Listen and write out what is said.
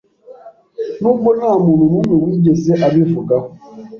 Nubwo ntamuntu numwe wigeze abivugaho,